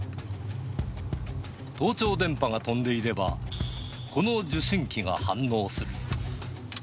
盗聴電波が飛んでいれば、この受信機が反応する。